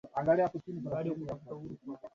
ikiwa wanatoa kama mchango wao kwenye hifadhi ya jamii